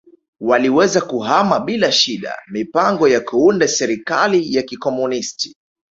waliweza kuhama bila shida mipango ya kuunda serikali ya kikomunist